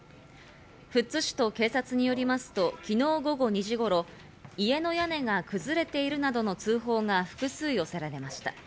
富津市と警察によりますと昨日午後２時頃、家の屋根が崩れているなどの通報が複数寄せられました。